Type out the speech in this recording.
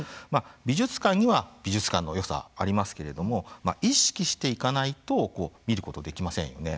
美術館には美術館のよさありますけれども意識して行かないと見ることはできませんよね。